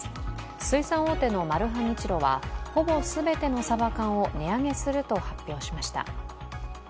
水産大手のマルハニチロはほぼ全てのさば缶を値上げすると発表しました。